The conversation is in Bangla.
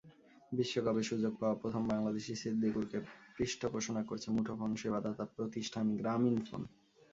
বিশ্বকাপে সুযোগ পাওয়া প্রথম বাংলাদেশি সিদ্দিকুরকে পৃষ্ঠপোষণা করছে মুঠোফোন সেবাদাতা প্রতিষ্ঠান গ্রামীণফোন।